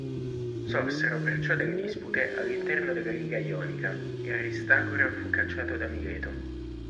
Sorsero perciò delle dispute all'interno della lega ionica e Aristagora fu cacciato da Mileto.